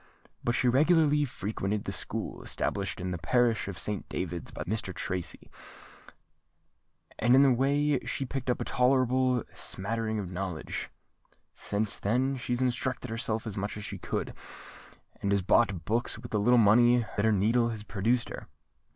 But she regularly frequented the School established in the parish of Saint David's by the Rev. Mr. Tracy; and in that way she picked up a tolerable smattering of knowledge. Since then she's instructed herself as much as she could, and has bought books with the little money that her needle has produced her."